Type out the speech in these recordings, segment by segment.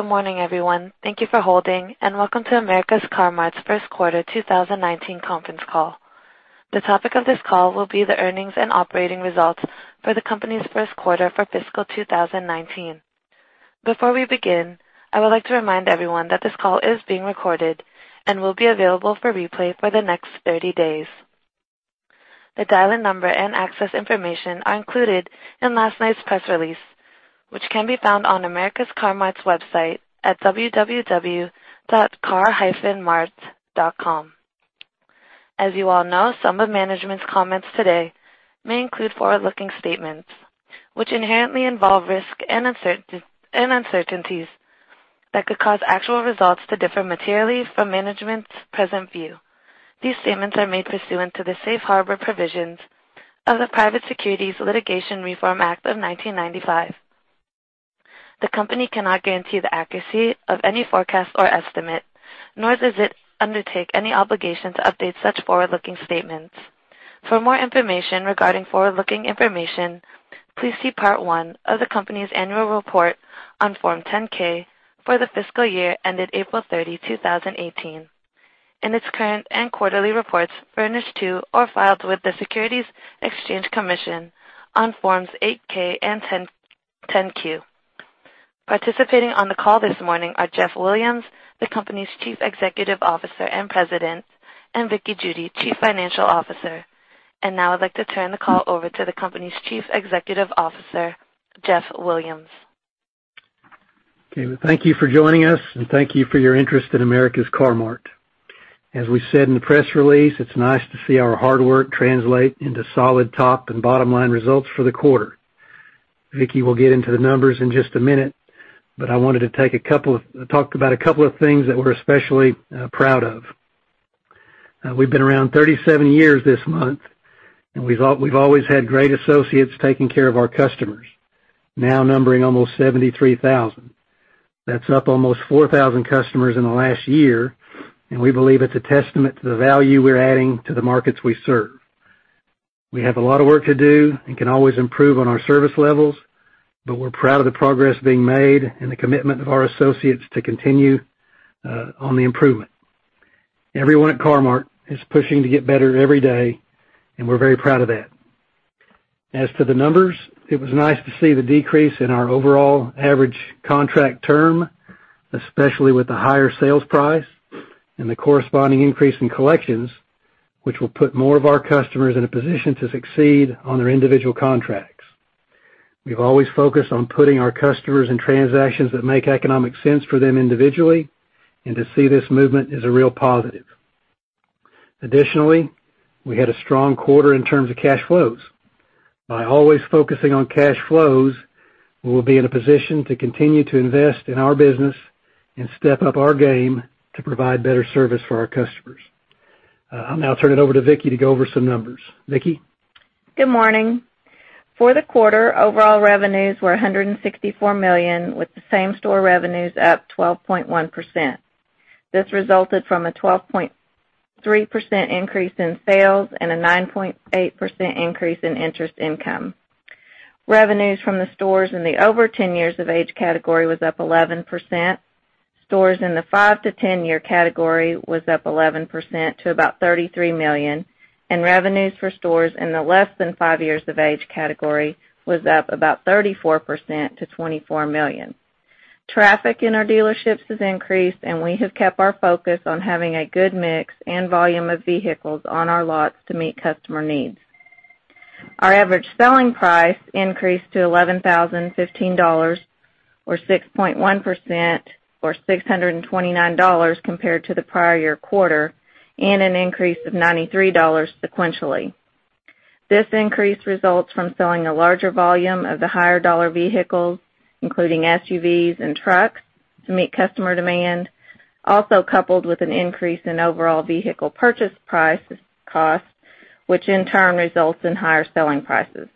Good morning, everyone. Thank you for holding, and welcome to America's Car-Mart's first quarter 2019 conference call. The topic of this call will be the earnings and operating results for the company's first quarter for fiscal 2019. Before we begin, I would like to remind everyone that this call is being recorded and will be available for replay for the next 30 days. The dial-in number and access information are included in last night's press release, which can be found on America's Car-Mart's website at www.car-mart.com. As you all know, some of management's comments today may include forward-looking statements which inherently involve risk and uncertainties that could cause actual results to differ materially from management's present view. These statements are made pursuant to the safe harbor provisions of the Private Securities Litigation Reform Act of 1995. The company cannot guarantee the accuracy of any forecast or estimate, nor does it undertake any obligation to update such forward-looking statements. For more information regarding forward-looking information, please see Part One of the company's annual report on Form 10-K for the fiscal year ended April 30, 2018, and its current and quarterly reports furnished to, or filed with, the Securities and Exchange Commission on Forms 8-K and 10-Q. Participating on the call this morning are Jeff Williams, the company's Chief Executive Officer and President, and Vickie Judy, Chief Financial Officer. Now I'd like to turn the call over to the company's Chief Executive Officer, Jeff Williams. Okay. Thank you for joining us, and thank you for your interest in America's Car-Mart. As we said in the press release, it's nice to see our hard work translate into solid top and bottom-line results for the quarter. Vickie will get into the numbers in just a minute, but I wanted to talk about a couple of things that we're especially proud of. We've been around 37 years this month, and we've always had great associates taking care of our customers, now numbering almost 73,000. That's up almost 4,000 customers in the last year, and we believe it's a testament to the value we're adding to the markets we serve. We have a lot of work to do and can always improve on our service levels, but we're proud of the progress being made and the commitment of our associates to continue on the improvement. Everyone at Car-Mart is pushing to get better every day, and we're very proud of that. As to the numbers, it was nice to see the decrease in our overall average contract term, especially with the higher sales price and the corresponding increase in collections, which will put more of our customers in a position to succeed on their individual contracts. We've always focused on putting our customers in transactions that make economic sense for them individually, and to see this movement is a real positive. Additionally, we had a strong quarter in terms of cash flows. By always focusing on cash flows, we will be in a position to continue to invest in our business and step up our game to provide better service for our customers. I'll now turn it over to Vickie to go over some numbers. Vickie? Good morning. For the quarter, overall revenues were $164 million, with the same-store revenues up 12.1%. This resulted from a 12.3% increase in sales and a 9.8% increase in interest income. Revenues from the stores in the over 10 years of age category was up 11%. Stores in the 5-10 year category was up 11% to about $33 million, and revenues for stores in the less than 5 years of age category was up about 34% to $24 million. Traffic in our dealerships has increased, and we have kept our focus on having a good mix and volume of vehicles on our lots to meet customer needs. Our average selling price increased to $11,015, or 6.1%, or $629 compared to the prior year quarter, and an increase of $93 sequentially. This increase results from selling a larger volume of the higher dollar vehicles, including SUVs and trucks, to meet customer demand. Coupled with an increase in overall vehicle purchase costs, which in turn results in higher selling prices.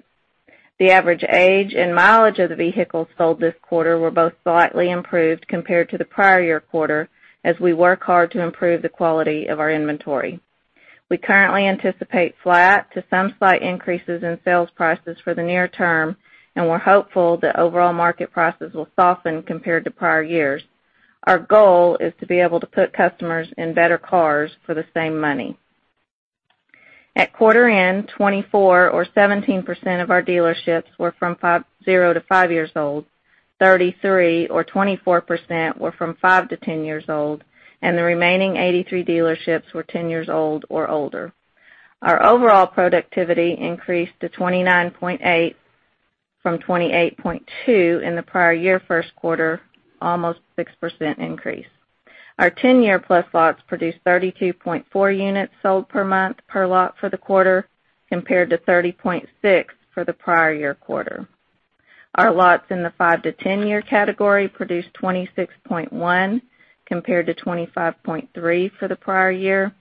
The average age and mileage of the vehicles sold this quarter were both slightly improved compared to the prior year quarter, as we work hard to improve the quality of our inventory. We currently anticipate flat to some slight increases in sales prices for the near term, we're hopeful that overall market prices will soften compared to prior years. Our goal is to be able to put customers in better cars for the same money. At quarter end, 24 or 17% of our dealerships were from zero to 5 years old, 33 or 24% were from 5 to 10 years old, the remaining 83 dealerships were 10 years old or older. Our overall productivity increased to 29.8 from 28.2 in the prior year first quarter, almost 6% increase. Our 10-year-plus lots produced 32.4 units sold per month per lot for the quarter, compared to 30.6 for the prior year quarter. Our lots in the 5-10 year category produced 26.1 compared to 25.3 for the prior year,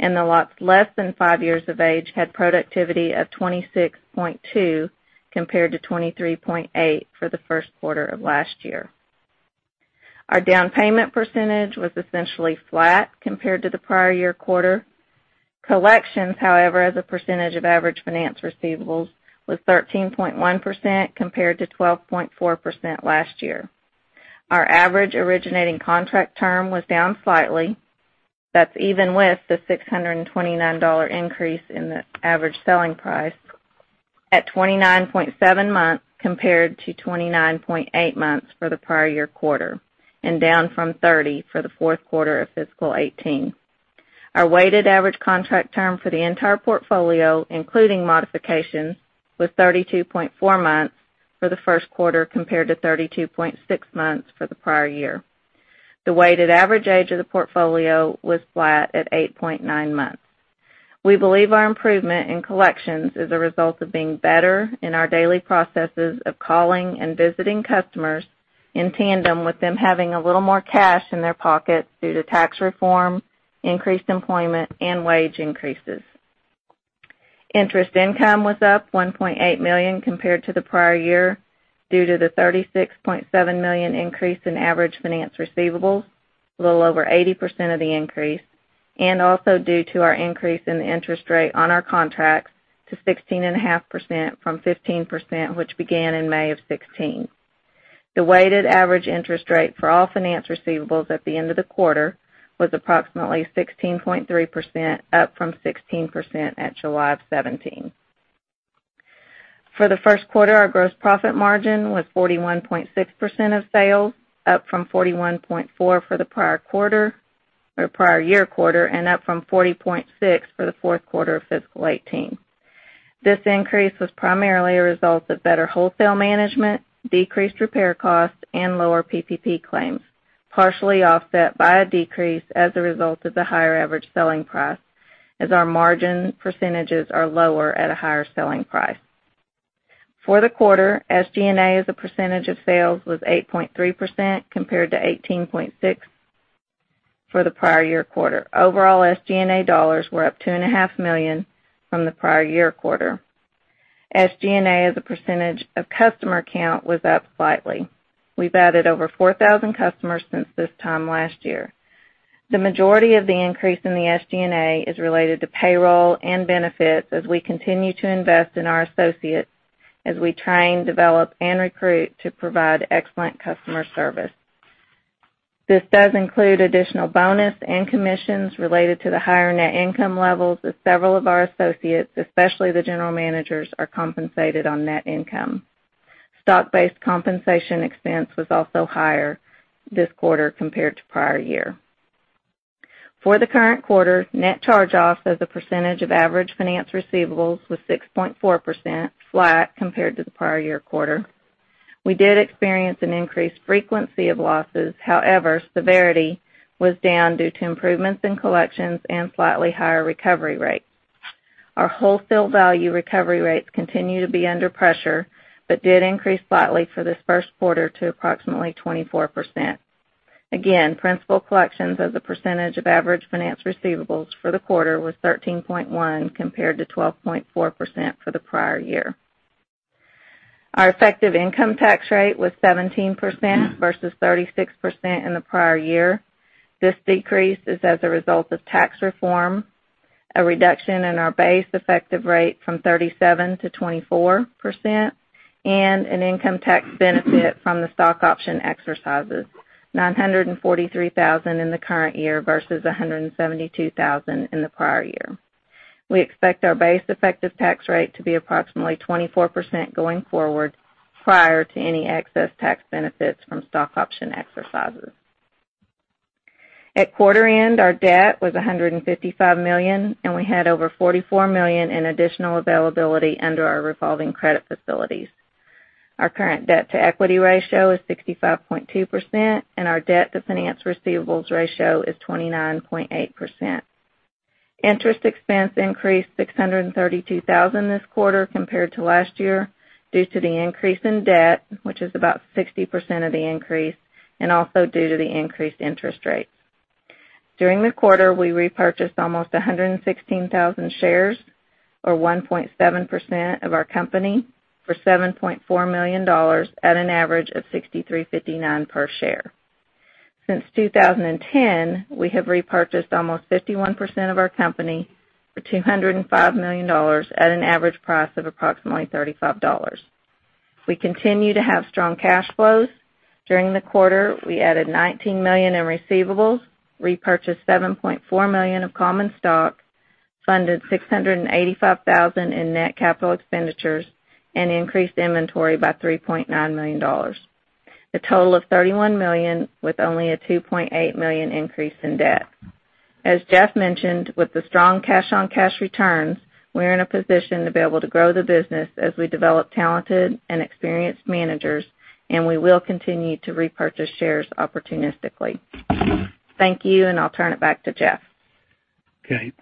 the lots less than 5 years of age had productivity of 26.2 compared to 23.8 for the first quarter of last year. Our down payment percentage was essentially flat compared to the prior year quarter. Collections, however, as a percentage of average finance receivables, was 13.1% compared to 12.4% last year. Our average originating contract term was down slightly. That's even with the $629 increase in the average selling price at 29.7 months, compared to 29.8 months for the prior year quarter, down from 30 for the fourth quarter of fiscal 2018. Our weighted average contract term for the entire portfolio, including modifications, was 32.4 months for the first quarter, compared to 32.6 months for the prior year. The weighted average age of the portfolio was flat at 8.9 months. We believe our improvement in collections is a result of being better in our daily processes of calling and visiting customers, in tandem with them having a little more cash in their pockets due to tax reform, increased employment, and wage increases. Interest income was up $1.8 million compared to the prior year due to the $36.7 million increase in average finance receivables, a little over 80% of the increase, and also due to our increase in the interest rate on our contracts to 16.5% from 15%, which began in May of 2016. The weighted average interest rate for all finance receivables at the end of the quarter was approximately 16.3%, up from 16% at July of 2017. For the first quarter, our gross profit margin was 41.6% of sales, up from 41.4% for the prior year quarter, and up from 40.6% for the fourth quarter of fiscal 2018. This increase was primarily a result of better wholesale management, decreased repair costs, and lower PPP claims, partially offset by a decrease as a result of the higher average selling price, as our margin percentages are lower at a higher selling price. For the quarter, SG&A as a percentage of sales was 8.3%, compared to 18.6% for the prior year quarter. Overall, SG&A dollars were up $2.5 million from the prior year quarter. SG&A as a percentage of customer count was up slightly. We've added over 4,000 customers since this time last year. The majority of the increase in the SG&A is related to payroll and benefits as we continue to invest in our associates as we train, develop, and recruit to provide excellent customer service. This does include additional bonus and commissions related to the higher net income levels of several of our associates, especially the general managers, are compensated on net income. Stock-based compensation expense was also higher this quarter compared to prior year. For the current quarter, net charge-offs as a percentage of average finance receivables was 6.4%, flat compared to the prior year quarter. We did experience an increased frequency of losses. However, severity was down due to improvements in collections and slightly higher recovery rates. Our wholesale value recovery rates continue to be under pressure, but did increase slightly for this first quarter to approximately 24%. Principal collections as a percentage of average finance receivables for the quarter was 13.1%, compared to 12.4% for the prior year. Our effective income tax rate was 17% versus 36% in the prior year. This decrease is as a result of tax reform, a reduction in our base effective rate from 37% to 24%, and an income tax benefit from the stock option exercises, $943,000 in the current year versus $172,000 in the prior year. We expect our base effective tax rate to be approximately 24% going forward, prior to any excess tax benefits from stock option exercises. At quarter end, our debt was $155 million, and we had over $44 million in additional availability under our revolving credit facilities. Our current debt-to-equity ratio is 65.2%, and our debt-to-finance receivables ratio is 29.8%. Interest expense increased $632,000 this quarter compared to last year due to the increase in debt, which is about 60% of the increase, and also due to the increased interest rates. During the quarter, we repurchased almost 116,000 shares, or 1.7% of our company, for $7.4 million at an average of $63.59 per share. Since 2010, we have repurchased almost 51% of our company for $205 million at an average price of approximately $35. We continue to have strong cash flows. During the quarter, we added $19 million in receivables, repurchased $7.4 million of common stock, funded $685,000 in net capital expenditures, and increased inventory by $3.9 million. A total of $31 million with only a $2.8 million increase in debt. As Jeff mentioned, with the strong cash-on-cash returns, we're in a position to be able to grow the business as we develop talented and experienced managers. We will continue to repurchase shares opportunistically. Thank you, and I'll turn it back to Jeff. Okay.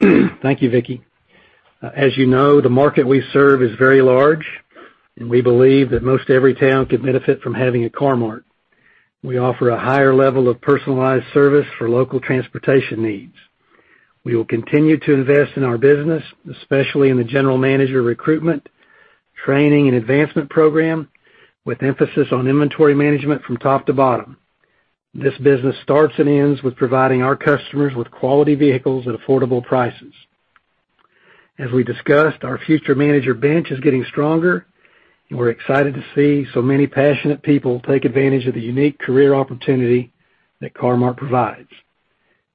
Thank you, Vickie. As you know, the market we serve is very large. We believe that most every town could benefit from having a Car-Mart. We offer a higher level of personalized service for local transportation needs. We will continue to invest in our business, especially in the general manager recruitment, training, and advancement program, with emphasis on inventory management from top to bottom. This business starts and ends with providing our customers with quality vehicles at affordable prices. As we discussed, our future manager bench is getting stronger. We're excited to see so many passionate people take advantage of the unique career opportunity that Car-Mart provides.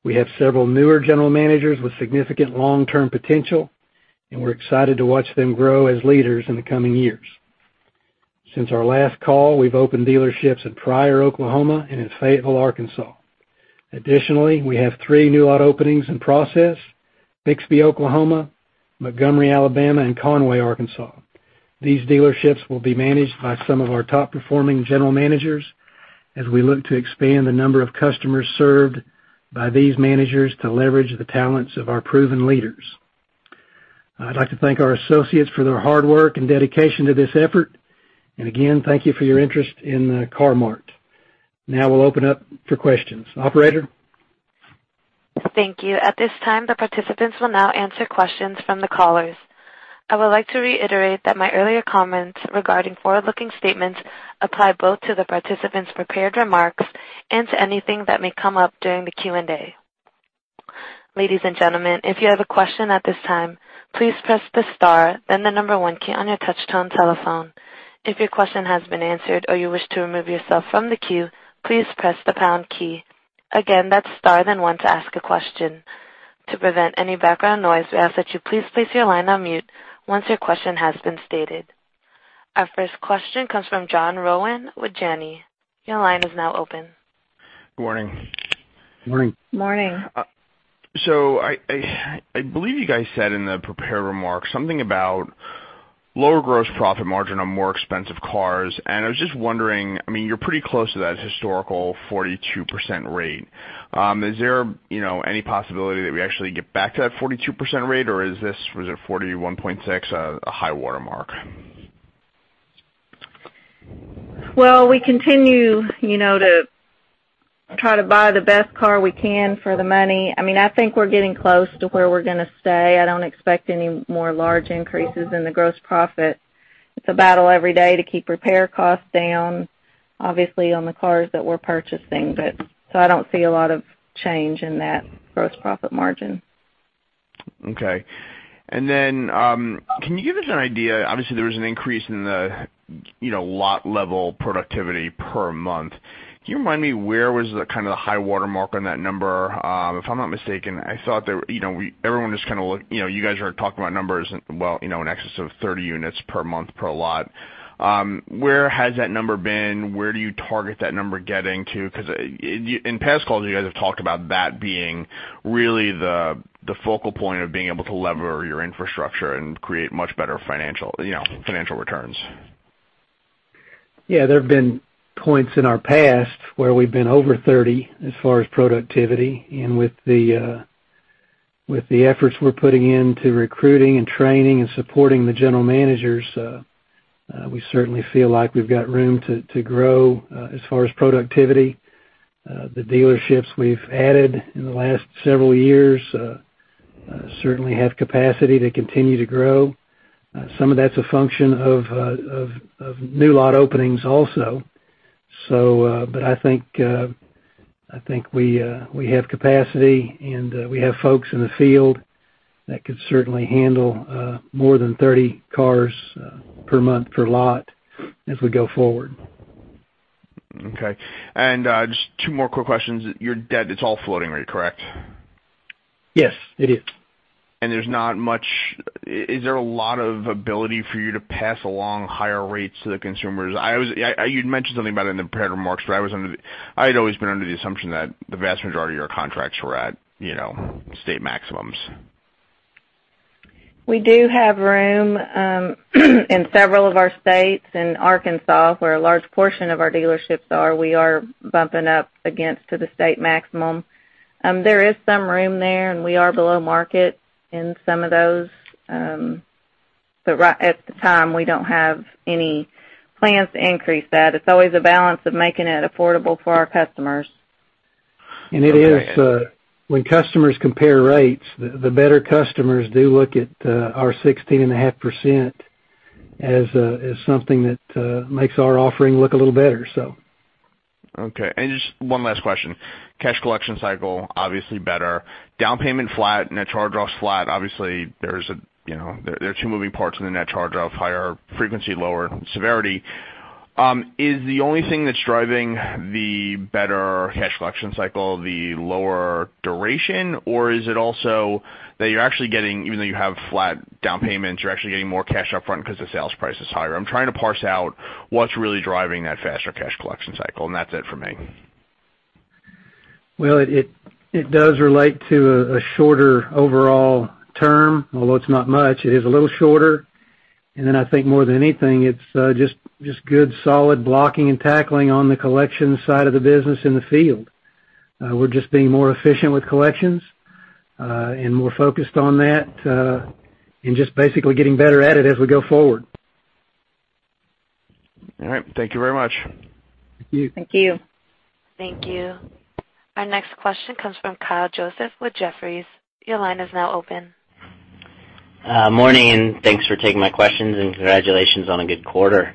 We have several newer general managers with significant long-term potential. We're excited to watch them grow as leaders in the coming years. Since our last call, we've opened dealerships in Pryor, Oklahoma, and in Fayetteville, Arkansas. Additionally, we have three new lot openings in process, Bixby, Oklahoma, Montgomery, Alabama, and Conway, Arkansas. These dealerships will be managed by some of our top-performing general managers as we look to expand the number of customers served by these managers to leverage the talents of our proven leaders. I'd like to thank our associates for their hard work and dedication to this effort. Again, thank you for your interest in Car-Mart. Now we'll open up for questions. Operator? Thank you. At this time, the participants will now answer questions from the callers. I would like to reiterate that my earlier comments regarding forward-looking statements apply both to the participants' prepared remarks and to anything that may come up during the Q&A. Ladies and gentlemen, if you have a question at this time, please press the star, then the number one key on your touch-tone telephone. If your question has been answered or you wish to remove yourself from the queue, please press the pound key. Again, that's star then one to ask a question. To prevent any background noise, we ask that you please place your line on mute once your question has been stated. Our first question comes from John Rowan with Janney. Your line is now open. Good morning. Morning. Morning. I believe you guys said in the prepared remarks something about lower gross profit margin on more expensive cars, and I was just wondering, you're pretty close to that historical 42% rate. Is there any possibility that we actually get back to that 42% rate, or is this, was it 41.6 a high-water mark? We continue to try to buy the best car we can for the money. I think we're getting close to where we're going to stay. I don't expect any more large increases in the gross profit. It's a battle every day to keep repair costs down, obviously, on the cars that we're purchasing. I don't see a lot of change in that gross profit margin. Can you give us an idea, obviously, there was an increase in the lot level productivity per month. Can you remind me where was the kind of the high-water mark on that number? If I'm not mistaken, I thought that you guys are talking about numbers in excess of 30 units per month per lot. Where has that number been? Where do you target that number getting to? Because in past calls, you guys have talked about that being really the focal point of being able to lever your infrastructure and create much better financial returns. Yeah, there have been points in our past where we've been over 30 as far as productivity, and with the efforts we're putting into recruiting and training and supporting the general managers, we certainly feel like we've got room to grow as far as productivity. The dealerships we've added in the last several years certainly have capacity to continue to grow. Some of that's a function of new lot openings also. I think we have capacity, and we have folks in the field that could certainly handle more than 30 cars per month per lot as we go forward. Okay. Just two more quick questions. Your debt, it's all floating rate, correct? Yes, it is. Is there a lot of ability for you to pass along higher rates to the consumers? You'd mentioned something about it in the prepared remarks, I had always been under the assumption that the vast majority of your contracts were at state maximums. We do have room in several of our states. In Arkansas, where a large portion of our dealerships are, we are bumping up against to the state maximum. There is some room there, and we are below market in some of those. At the time, we don't have any plans to increase that. It's always a balance of making it affordable for our customers. And it is- Okay When customers compare rates, the better customers do look at our 16.5% as something that makes our offering look a little better, so. Okay. Just one last question. Cash collection cycle, obviously better. Down payment flat, net charge-offs flat. Obviously, there are two moving parts in the net charge-off, higher frequency, lower severity. Is the only thing that's driving the better cash collection cycle the lower duration, or is it also that you're actually getting, even though you have flat down payments, you're actually getting more cash up front because the sales price is higher? I'm trying to parse out what's really driving that faster cash collection cycle, and that's it for me. Well, it does relate to a shorter overall term. Although it's not much, it is a little shorter. I think more than anything, it's just good solid blocking and tackling on the collection side of the business in the field. We're just being more efficient with collections, and more focused on that, and just basically getting better at it as we go forward. All right. Thank you very much. Thank you. Thank you. Thank you. Our next question comes from Kyle Joseph with Jefferies. Your line is now open. Morning, thanks for taking my questions, and congratulations on a good quarter.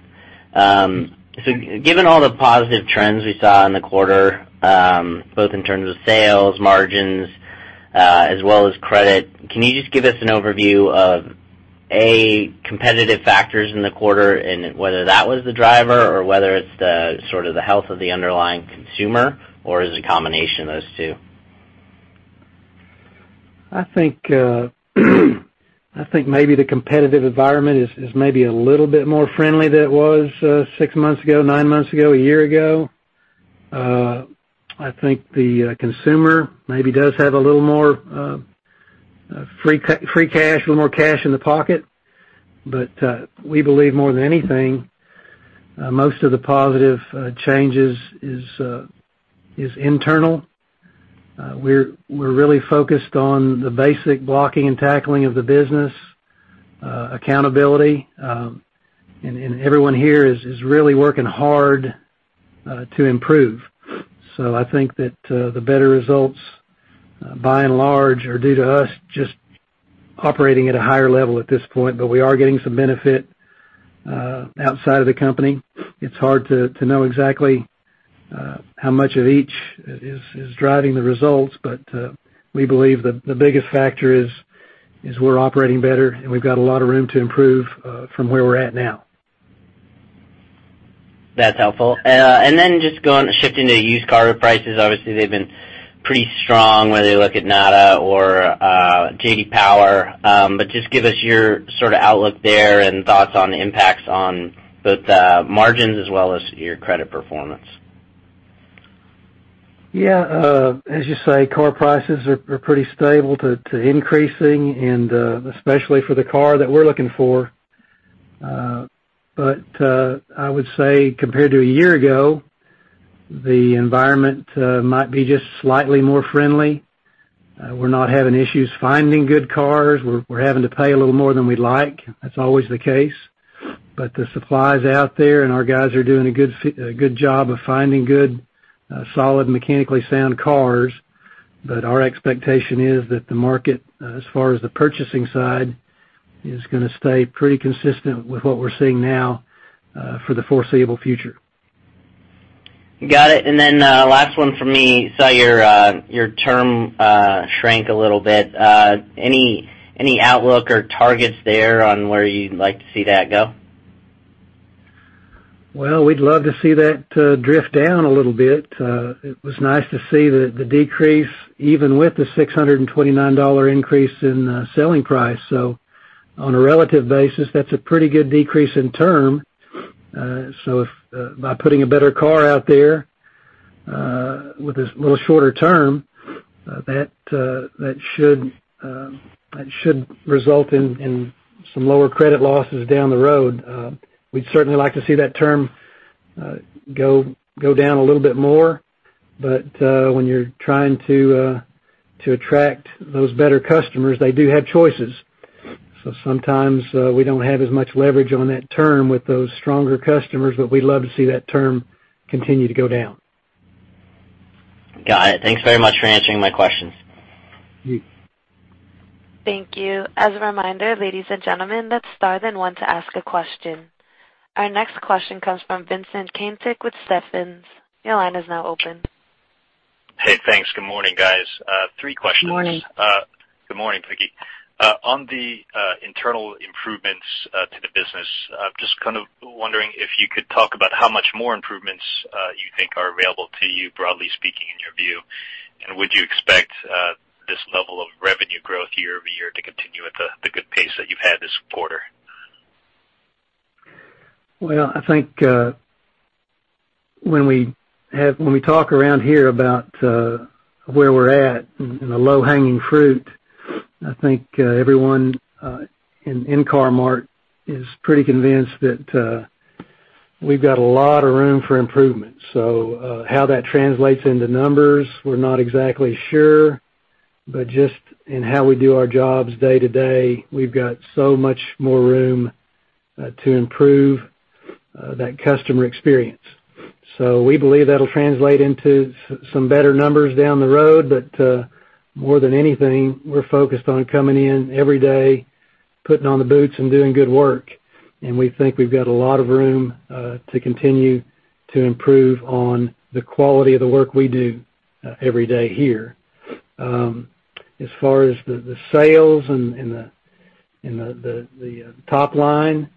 Given all the positive trends we saw in the quarter, both in terms of sales, margins, as well as credit, can you just give us an overview of, A, competitive factors in the quarter and whether that was the driver or whether it's the sort of the health of the underlying consumer, or is it a combination of those two? I think maybe the competitive environment is maybe a little bit more friendly than it was six months ago, nine months ago, a year ago. I think the consumer maybe does have a little more free cash, a little more cash in the pocket. We believe more than anything, most of the positive changes is internal. We're really focused on the basic blocking and tackling of the business, accountability, and everyone here is really working hard to improve. I think that the better results, by and large, are due to us just operating at a higher level at this point. We are getting some benefit outside of the company. It's hard to know exactly how much of each is driving the results, but we believe the biggest factor is we're operating better, and we've got a lot of room to improve from where we're at now. That's helpful. Just shifting to used car prices. Obviously, they've been pretty strong, whether you look at NADA or JD Power, just give us your sort of outlook there and thoughts on the impacts on both the margins as well as your credit performance. Yeah. As you say, car prices are pretty stable to increasing and especially for the car that we're looking for. I would say compared to a year ago, the environment might be just slightly more friendly. We're not having issues finding good cars. We're having to pay a little more than we'd like. That's always the case. The supply is out there, and our guys are doing a good job of finding good, solid, mechanically sound cars. Our expectation is that the market, as far as the purchasing side, is going to stay pretty consistent with what we're seeing now for the foreseeable future. Got it. Last one for me. Saw your term shrank a little bit. Any outlook or targets there on where you'd like to see that go? Well, we'd love to see that drift down a little bit. It was nice to see the decrease even with the $629 increase in selling price. On a relative basis, that's a pretty good decrease in term. If by putting a better car out there, with this little shorter term that should result in some lower credit losses down the road. We'd certainly like to see that term go down a little bit more. When you're trying to attract those better customers, they do have choices. Sometimes, we don't have as much leverage on that term with those stronger customers, but we'd love to see that term continue to go down. Got it. Thanks very much for answering my questions. Thank you. As a reminder, ladies and gentlemen, let's star then one to ask a question. Our next question comes from Vincent Caintic with Stephens. Your line is now open. Hey, thanks. Good morning, guys. Three questions. Morning. Good morning, Vickie. On the internal improvements to the business, just kind of wondering if you could talk about how much more improvements you think are available to you, broadly speaking, in your view. Would you expect this level of revenue growth year-over-year to continue at the good pace that you've had this quarter? Well, I think, when we talk around here about where we're at and the low-hanging fruit, I think everyone in Car-Mart is pretty convinced that we've got a lot of room for improvement. How that translates into numbers, we're not exactly sure, but just in how we do our jobs day to day, we've got so much more room to improve that customer experience. We believe that'll translate into some better numbers down the road. More than anything, we're focused on coming in every day, putting on the boots, and doing good work. We think we've got a lot of room to continue to improve on the quality of the work we do every day here. As far as the sales and the top line,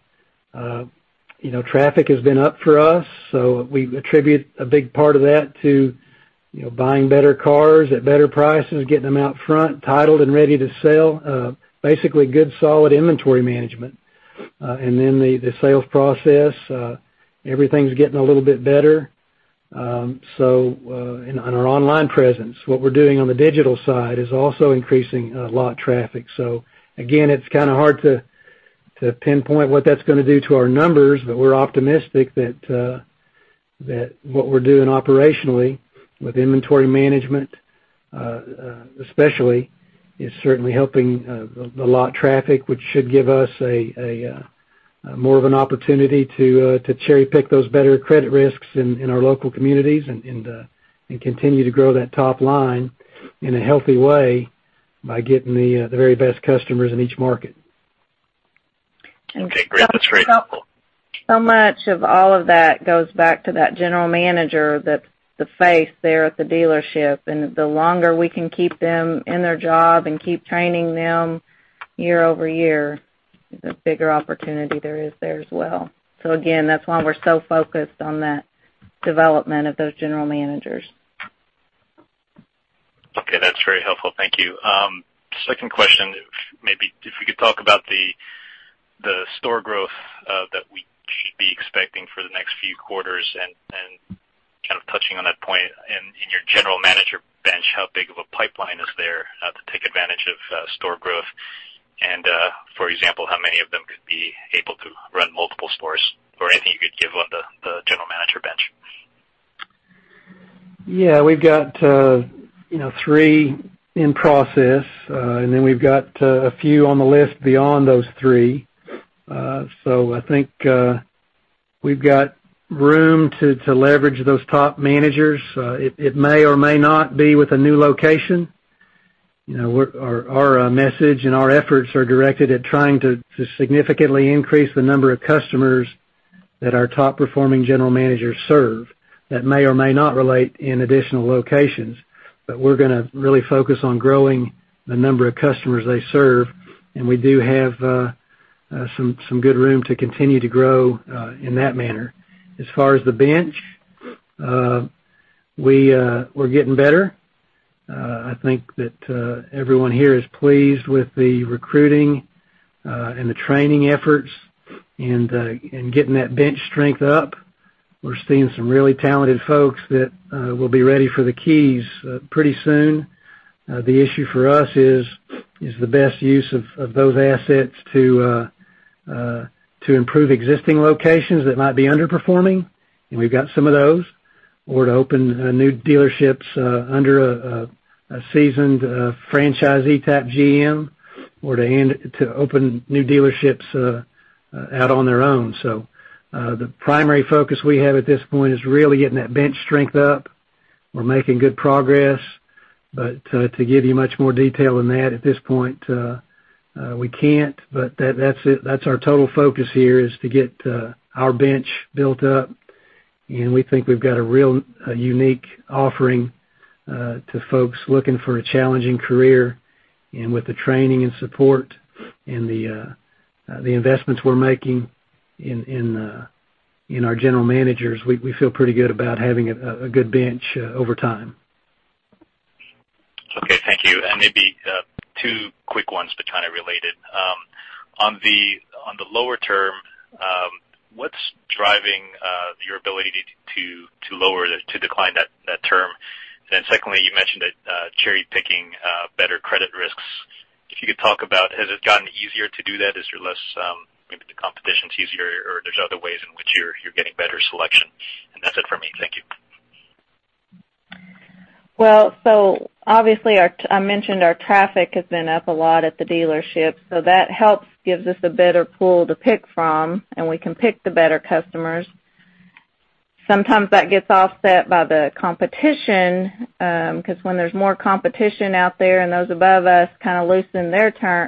traffic has been up for us, so we attribute a big part of that to buying better cars at better prices, getting them out front, titled, and ready to sell. Basically good solid inventory management. The sales process, everything's getting a little bit better. On our online presence, what we're doing on the digital side is also increasing lot traffic. Again, it's kind of hard to pinpoint what that's going to do to our numbers, but we're optimistic that what we're doing operationally with inventory management, especially, is certainly helping the lot traffic, which should give us a more of an opportunity to cherry-pick those better credit risks in our local communities and continue to grow that top line in a healthy way by getting the very best customers in each market. Okay, great. That's very helpful. Much of all of that goes back to that general manager, the face there at the dealership, and the longer we can keep them in their job and keep training them year-over-year, the bigger opportunity there is there as well. Again, that's why we're so focused on that development of those general managers. Okay, that's very helpful. Thank you. Second question, maybe if we could talk about the store growth that we should be expecting for the next few quarters, and kind of touching on that point in your general manager bench, how big of a pipeline is there to take advantage of store growth? For example, how many of them could be able to run multiple stores? Anything you could give on the general manager bench? Yeah. We've got three in process, and then we've got a few on the list beyond those three. I think we've got room to leverage those top managers. It may or may not be with a new location. Our message and our efforts are directed at trying to significantly increase the number of customers that our top-performing general managers serve. That may or may not relate in additional locations. We're going to really focus on growing the number of customers they serve, and we do have some good room to continue to grow in that manner. As far as the bench, we're getting better. I think that everyone here is pleased with the recruiting and the training efforts and getting that bench strength up. We're seeing some really talented folks that will be ready for the keys pretty soon. The issue for us is the best use of those assets to improve existing locations that might be underperforming, and we've got some of those. To open new dealerships under a seasoned franchisee-type GM, or to open new dealerships out on their own. The primary focus we have at this point is really getting that bench strength up. We're making good progress, to give you much more detail than that at this point, we can't. That's it. That's our total focus here, is to get our bench built up, We think we've got a real unique offering to folks looking for a challenging career, with the training and support and the investments we're making in our general managers, we feel pretty good about having a good bench over time. Okay, thank you. Maybe two quick ones, but kind of related. On the lower term, what's driving your ability to decline that term? Secondly, you mentioned cherry-picking better credit risks. If you could talk about, has it gotten easier to do that? Maybe the competition's easier or there's other ways in which you're getting better selection. That's it for me. Thank you. Obviously, I mentioned our traffic has been up a lot at the dealership, that helps gives us a better pool to pick from, We can pick the better customers. Sometimes that gets offset by the competition, because when there's more competition out there and those above us kind of loosen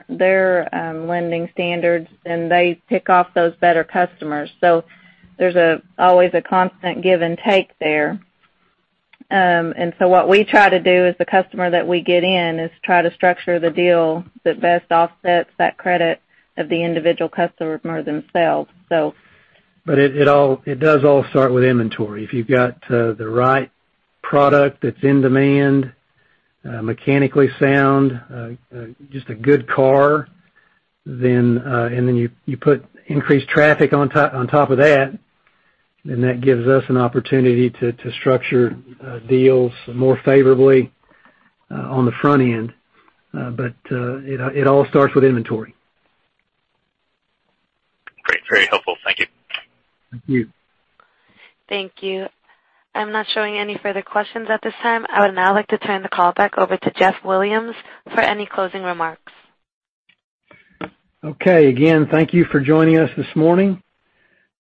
their lending standards, They pick off those better customers. There's always a constant give and take there. What we try to do is the customer that we get in is try to structure the deal that best offsets that credit of the individual customer themselves. It does all start with inventory. If you've got the right product that's in demand, mechanically sound, just a good car, you put increased traffic on top of that gives us an opportunity to structure deals more favorably on the front end. It all starts with inventory. Great. Very helpful. Thank you. Thank you. Thank you. I'm not showing any further questions at this time. I would now like to turn the call back over to Jeff Williams for any closing remarks. Okay. Again, thank you for joining us this morning.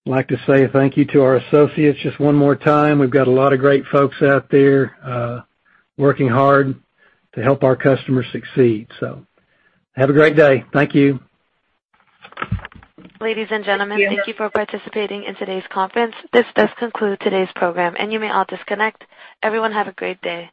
I'd like to say thank you to our associates just one more time. We've got a lot of great folks out there working hard to help our customers succeed. Have a great day. Thank you. Ladies and gentlemen, thank you for participating in today's conference. This does conclude today's program, and you may all disconnect. Everyone, have a great day.